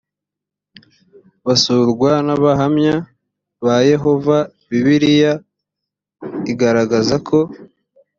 basurwa n abahamya ba yehova bibiliya igaragaza ko